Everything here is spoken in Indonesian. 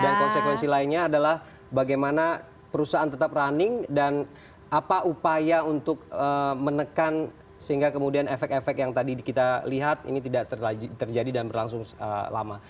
dan konsekuensi lainnya adalah bagaimana perusahaan tetap running dan apa upaya untuk menekan sehingga kemudian efek efek yang tadi kita lihat ini tidak terjadi dan berlangsung lama